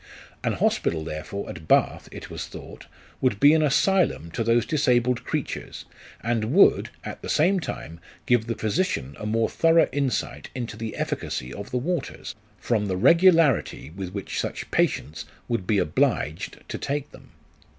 An hospital therefore at Bath, it was thought, would be an asylum to those disabled creatures, and would, at the same time, give the physician a more thorough insight into the efficacy of the waters, from the regularity with which such patients would be obliged to take them.